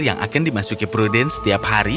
yang akan dimasuki pruden setiap hari